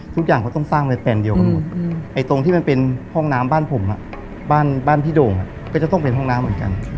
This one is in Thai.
ทุกอย่างเขาต้องสร้างเป็นแฟนเดียวกันหมดไอ้ตรงที่มันเป็นห้องน้ำบ้านผมบ้านพี่โด่งก็จะต้องเป็นห้องน้ำเหมือนกัน